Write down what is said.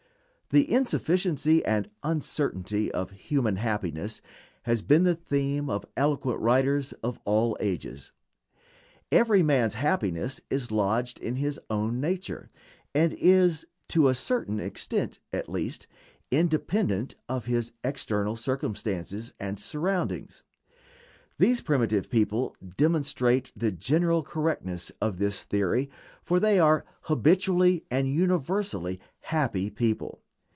The insufficiency and uncertainty of human happiness has been the theme of eloquent writers of all ages. Every man's happiness is lodged in his own nature, and is, to a certain extent at least, independent of his external circumstances and surroundings. These primitive people demonstrate the general correctness of this theory, for they are habitually and universally happy people.